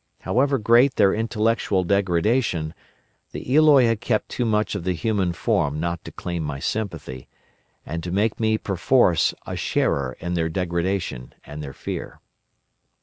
However great their intellectual degradation, the Eloi had kept too much of the human form not to claim my sympathy, and to make me perforce a sharer in their degradation and their Fear.